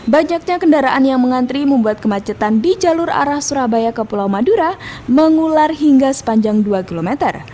banyaknya kendaraan yang mengantri membuat kemacetan di jalur arah surabaya ke pulau madura mengular hingga sepanjang dua km